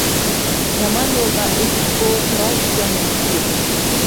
يامان يولدا ئېزىتقۇ، تۇرار ئىكەن ھىجىيىپ.